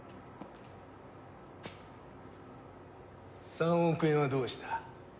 ３億円はどうした？